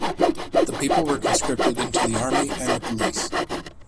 The people were conscripted into the army and the police.